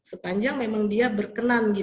sepanjang memang dia berkenan